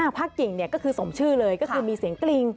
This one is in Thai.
ผ้ากิ่งก็คือสมชื่อเลยก็คือมีเสียงกริง